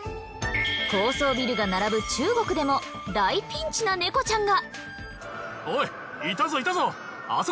高層ビルが並ぶ中国でも大ピンチなネコちゃんが。